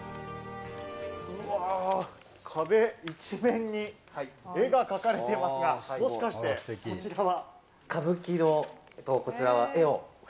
うわ、壁一面に絵が描かれていますが、もしかしてこちらは？